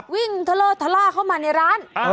วิ่งเทล่าเทลล่าเข้ามาในร้าน